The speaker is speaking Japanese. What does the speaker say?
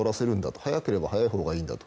早ければ早いほうがいいんだと。